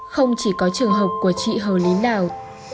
không chỉ có trường học của chị hờ lín đào